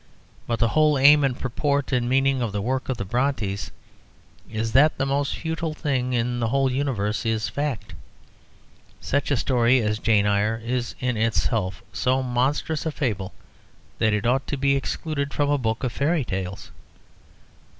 But the whole aim and purport and meaning of the work of the Brontës is that the most futile thing in the whole universe is fact. Such a story as "Jane Eyre" is in itself so monstrous a fable that it ought to be excluded from a book of fairy tales.